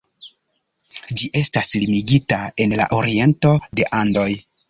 Ĝi estas limigita en la oriento de Andoj.